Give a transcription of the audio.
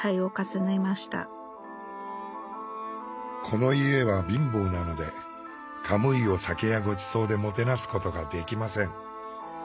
この家は貧乏なのでカムイを酒やごちそうでもてなすことができません。